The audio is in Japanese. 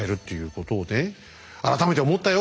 改めて思ったよ